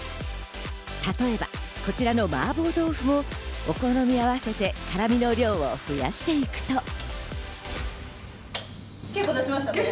例えばこちらの麻婆豆腐もお好みに合わせて辛味の量を増やしていくと。